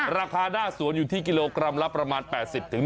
ราคาหน้าสวนอยู่ที่กิโลกรัมละประมาณ๘๐